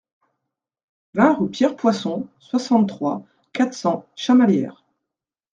vingt rue Pierre Poisson, soixante-trois, quatre cents, Chamalières